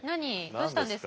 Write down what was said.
どうしたんですか？